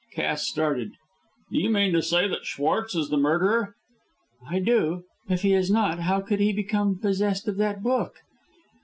Cass started. "Do you mean to say that Schwartz is the murderer?" "I do. If he is not, how could he become possessed of that book?"